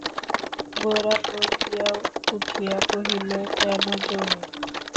গোরা গর্জিয়া উঠিয়া কহিল, কেন জো নেই?